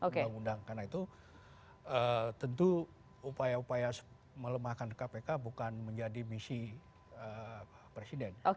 karena itu tentu upaya upaya melemahkan kpk bukan menjadi misi presiden